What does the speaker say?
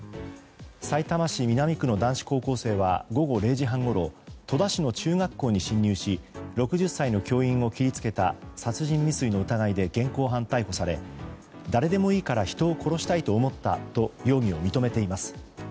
さいたま市南区の男子高校生は午後０時半ごろ戸田市の中学校に侵入し６０歳の教員を切りつけた殺人未遂の疑いで現行犯逮捕され、誰でもいいから人を殺したいと思ったと容疑を認めています。